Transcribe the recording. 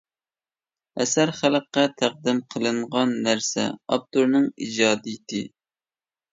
ئەسەر خەلققە تەقدىم قىلىنغان نەرسە، ئاپتورنىڭ ئىجادىيىتى.